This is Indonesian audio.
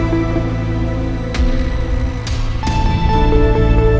jatuh di sini lagi